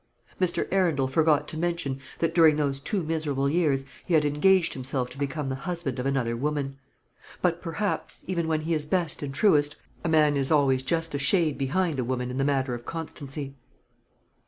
Mr. Arundel forgot to mention that during those two miserable years he had engaged himself to become the husband of another woman. But perhaps, even when he is best and truest, a man is always just a shade behind a woman in the matter of constancy.